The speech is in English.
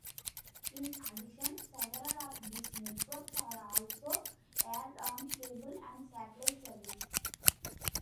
In addition, several of these networks are also aired on cable and satellite services.